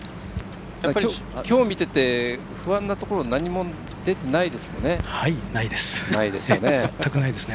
きょう見てて不安なところは全くないですね。